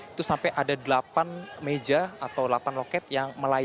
itu sampai ada delapan meja atau delapan loket yang melayani